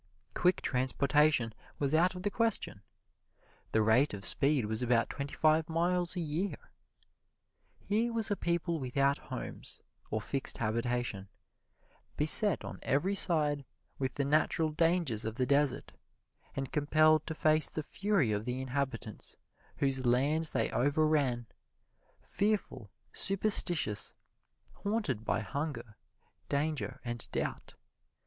Quick transportation was out of the question. The rate of speed was about twenty five miles a year. Here was a people without homes, or fixed habitation, beset on every side with the natural dangers of the desert, and compelled to face the fury of the inhabitants whose lands they overran, fearful, superstitious, haunted by hunger, danger and doubt.